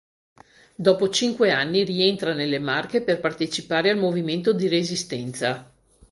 Dopo cinque anni rientra nelle Marche per partecipare al movimento di Resistenza.